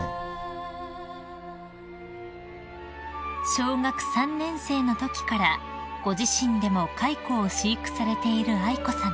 ［小学３年生のときからご自身でも蚕を飼育されている愛子さま］